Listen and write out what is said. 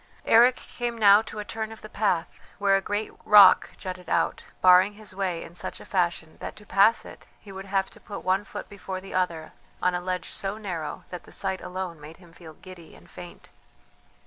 Eric came now to a turn of the path where a great rock jutted out, barring his way in such a fashion that to pass it he would have to put one foot before the other on a ledge so narrow that the sight alone made him feel giddy and faint.